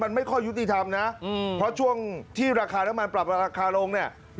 มันไม่ค่อยยุติธรรมนะเพราะช่วงที่ราคาน้ำมันปรับราคาลงเนี่ย